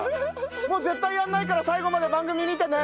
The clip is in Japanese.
もう絶対やらないから最後まで番組見てね。